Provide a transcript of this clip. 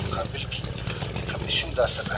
ولاړې اوبه خراًبیږي.